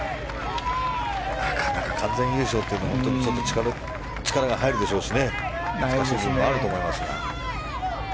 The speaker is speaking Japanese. なかなか完全優勝というのは力が入るでしょうし難しいところもあると思いますが。